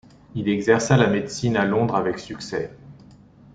Il exerça la médecine à Londres avec succès.